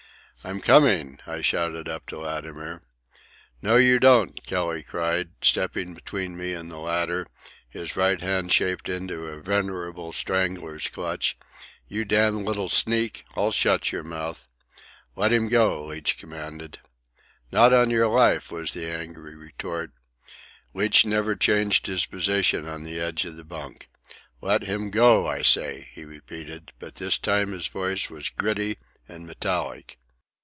"I'm coming!" I shouted up to Latimer. "No you don't!" Kelly cried, stepping between me and the ladder, his right hand shaped into a veritable strangler's clutch. "You damn little sneak! I'll shut yer mouth!" "Let him go," Leach commanded. "Not on yer life," was the angry retort. Leach never changed his position on the edge of the bunk. "Let him go, I say," he repeated; but this time his voice was gritty and metallic.